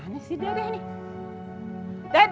seseorang yang lebih baik